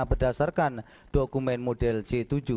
berdasarkan dokumen model c tujuh